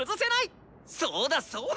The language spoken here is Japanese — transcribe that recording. そうだそうだ！